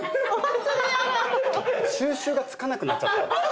収拾がつかなくなっちゃった。